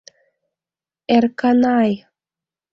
Эрканай.